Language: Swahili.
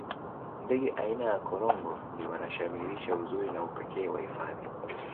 ndege aina ya korongo ni wanashamirisha uzuri na upekee wa hifadhi